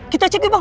kita cek yuk bang